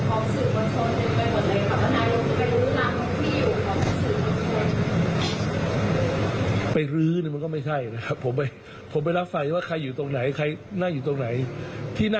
อันนี้คือท่านนายกให้สัมภาษณ์วันนี้นะ